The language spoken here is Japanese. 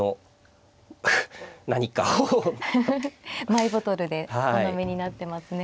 マイボトルでお飲みになってますね。